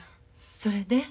それで？